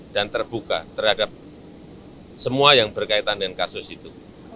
dan terbuka terhadap semua yang berkaitan dengan kasus itu